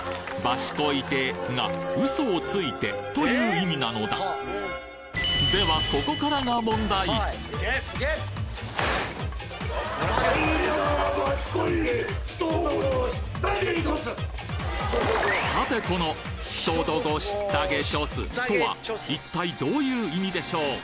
「ばしこいて」が「嘘をついて」という意味なのだではここからがさてこの「ひとどごしったげちょす」とは一体どういう意味でしょう？